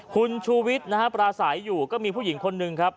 คุณชูวิทย์นะฮะปราศัยอยู่ก็มีผู้หญิงคนหนึ่งครับ